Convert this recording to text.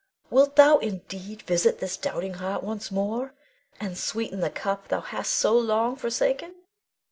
wilt thou indeed visit this doubting heart once more, and sweeten the cup thou hast so long forsaken?